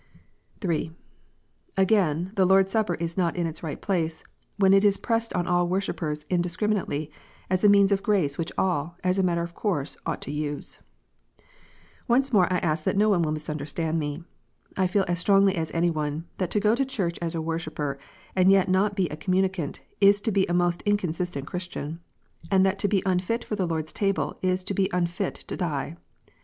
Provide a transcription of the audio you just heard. (3) Again, the Lord s Supper is not in its right place, when it in pressed on all worshippers indiscriminately, as a means of grace which all, as a matter of course, ought to use. Once more I ask that no one will misunderstand me. I feel as strongly as any one, that to go to church as a worshipper, and yet not be a communicant, is to be a most inconsistent Christian, and that to be unfit for the Lord s Table is to be unfit to die.